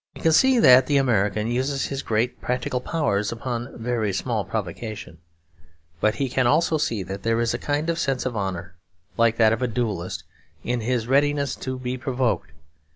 He can see that the American uses his great practical powers upon very small provocation; but he can also see that there is a kind of sense of honour, like that of a duellist, in his readiness to be provoked.